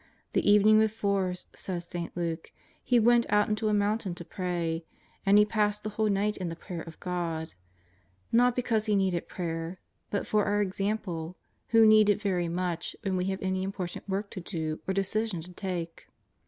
The evening before, says St. Luke, '^ He went out into a mountain to pray, and He passed the whole night in the prayer of God/' not because He needed prayer, but for our example, who need it very much when we have any important work to do or decision to take.